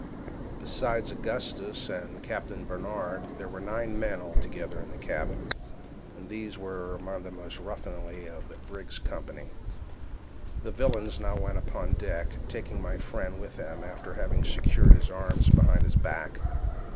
Besides Augustus and Captain Barnard, there were nine men altogether in the cabin, and these among the most ruffianly of the brig's company. The villains now went upon deck, taking my friend with them after having secured his arms behind his back.